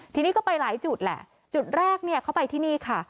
ทีนี้ก็ไปหลายจุดแหละจุดแรกเนี่ยเขาไปที่นี่ค่ะ